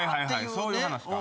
そういう話か。